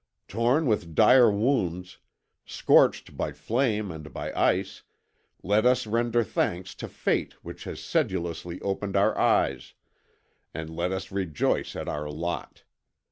Torn with dire wounds, scorched by flame and by ice, let us render thanks to Fate which has sedulously opened our eyes, and let us rejoice at our lot.